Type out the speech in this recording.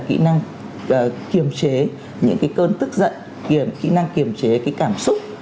kỹ năng kiềm chế những cái cơn tức giận kỹ năng kiềm chế cái cảm xúc